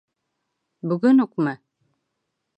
Бөгөн үкме?